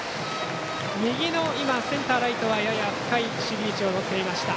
右のセンター、ライトはやや深い守備位置をとっていました。